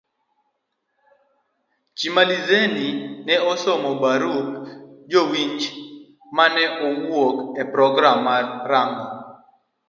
Chimalizeni ne osomo barup jowinjo ma ne owuok e program mar rang'ong